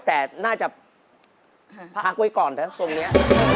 แต่น่าจะพักไว้ก่อนนะทรงนี้